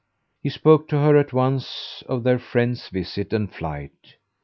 He spoke to her at once of their friend's visit and flight.